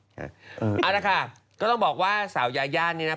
เอาละค่ะก็ต้องบอกว่าสาวยาย่านี่นะ